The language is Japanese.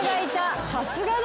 さすがだね。